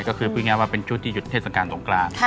ก็คือพื้นงานว่าเป็นช่วงที่หยุดเทศสังการตรงกลาง